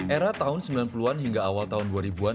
era tahun sembilan puluh an hingga awal tahun dua ribu an